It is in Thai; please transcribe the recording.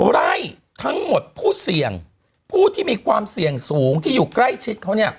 ไร่ทั้งหมดผู้เสี่ยงผู้ที่มีความเสี่ยงสูงที่อยู่ใกล้ชิดเขาเนี่ย